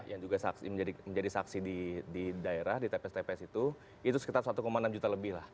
yang juga menjadi saksi di daerah di tps tps itu itu sekitar satu enam juta lebih lah